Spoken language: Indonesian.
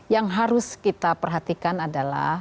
yang harus kita perhatikan adalah